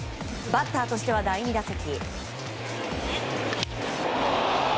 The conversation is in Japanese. バッターとしては、第２打席。